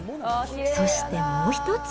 そしてもう一つ。